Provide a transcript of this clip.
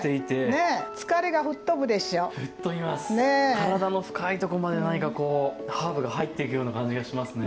体の深いとこまで何かこうハーブが入っていくような感じがしますね。